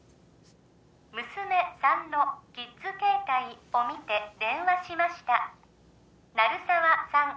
娘さんのキッズ携帯を見て電話しました鳴沢さん